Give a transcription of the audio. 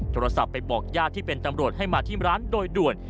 โทรศัพท์ไปบอกญาติที่เป็นตำรวจให้มาที่ร้านโดยด่วน